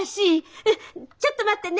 うんちょっと待ってね。